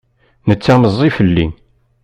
Netta i meẓẓi fell-i.